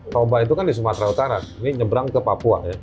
toba itu kan di sumatera utara ini nyebrang ke papua ya